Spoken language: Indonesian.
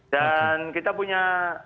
dan kita punya